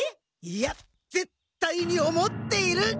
いやぜったいに思っている！